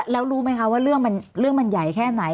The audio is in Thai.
แล้วรู้ไหมคะว่าเรื่องมันใหญ่แค่ไหน